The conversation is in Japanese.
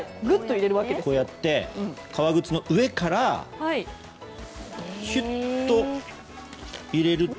こうやって革靴の上からシュッと入れると。